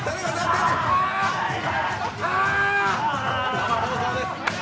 生放送です。